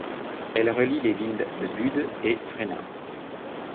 Elle relie les villes de Bud et Fræna.